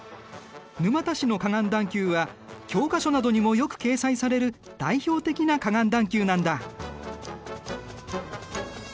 沼田市の河岸段丘は教科書などにもよく掲載される代表的な河岸段丘なんだ。